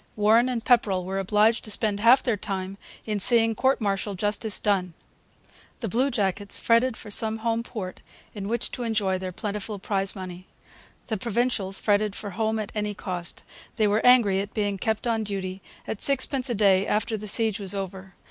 Warren and Pepperrell were obliged to spend half their time in seeing court martial justice done. The bluejackets fretted for some home port in which to enjoy their plentiful prize money. The Provincials fretted for home at any cost. They were angry at being kept on duty at sixpence a day after the siege was over.